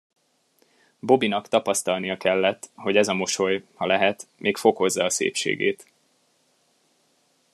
Bobbynak tapasztalnia kellett, hogy ez a mosoly, ha lehet, még fokozza a szépségét.